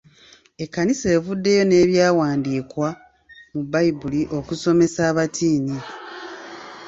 Ekkanisa evuddeyo n'ebyawandiikwa mu Bbayibuli okusomesa abatiini.